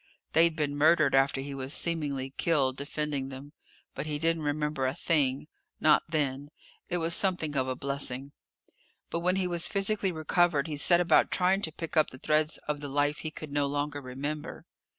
They'd been murdered after he was seemingly killed defending them. But he didn't remember a thing. Not then. It was something of a blessing. But when he was physically recovered he set about trying to pick up the threads of the life he could no longer remember.